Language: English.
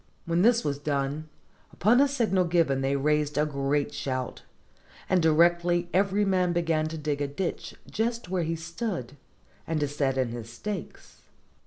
When this was done, upon a signal given they raised a great shout, and directly every man began to dig a ditch just where he stood, and to set in his stakes.